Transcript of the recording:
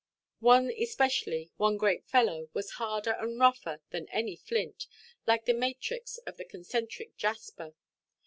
One, especially, one great fellow, was harder and rougher than any flint, like the matrix of the concentric jasper.